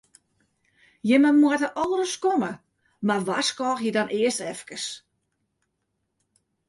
Jimme moatte al ris komme, mar warskôgje dan earst efkes.